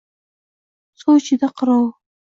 Sochida qirov…